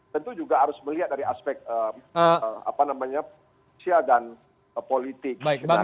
tentu juga harus melihat dari aspek sosial dan politik